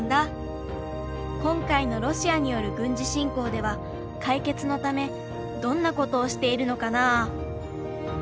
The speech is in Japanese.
今回のロシアによる軍事侵攻では解決のためどんなことをしているのかなあ？